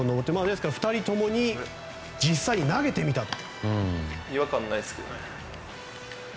ですから２人ともに実際に投げてみたと。